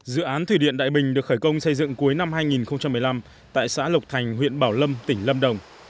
dự án thủy điện đại bình được khởi công xây dựng cuối năm hai nghìn một mươi năm tại xã lộc thành huyện bảo lâm tỉnh lâm đồng